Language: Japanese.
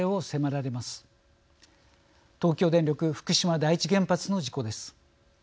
東京電力福島第一原発の事故です。